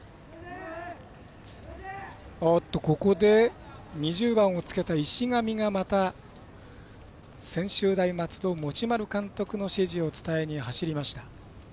ここで、２０番をつけた石神がまた専修大松戸持丸監督の指示を伝えに走りました。